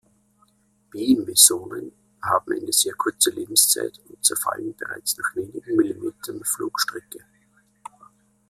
B-Mesonen haben eine sehr kurze Lebenszeit und zerfallen bereits nach wenigen Millimetern Flugstrecke.